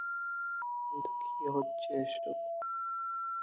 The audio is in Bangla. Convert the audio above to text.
কিন্তু কি হচ্ছে এসব?